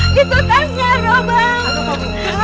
itu tasnya dong bang